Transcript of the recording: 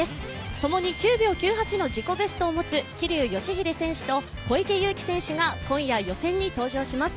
ともに９秒９８の自己ベストを持つ桐生選手と小池祐貴選手が今夜予選に登場します。